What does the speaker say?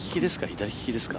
左利きですか？